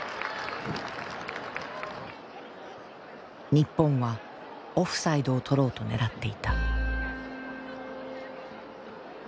日本はオフサイドをとろうと狙っていた。